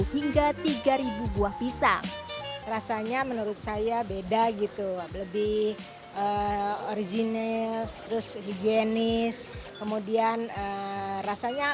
dua hingga tiga ribu buah pisang rasanya menurut saya beda gitu ket hos higienis kemudian rasanya